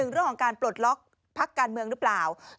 เรื่องของการปลดล็อกพักการเมืองหรือเปล่า